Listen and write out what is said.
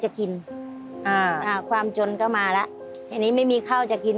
เจอกันและก็ยังทำอาชีพนี้อยู่ไหม